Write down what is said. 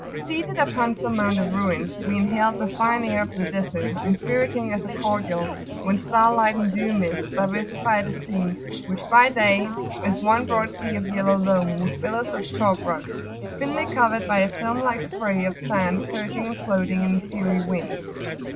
[FN#22] Seated upon some mound of ruins, we inhaled [p.85]the fine air of the Desert, inspiriting as a cordial, when star light and dew mists diversified a scene, which, by day, is one broad sea of yellow loam with billows of chalk rock, thinly covered by a film like spray of sand surging and floating in the fiery wind.